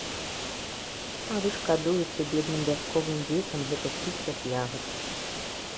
А вы шкадуеце бедным вясковым дзецям гэтых кіслых ягад.